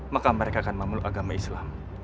maka mereka akan memeluk agama islam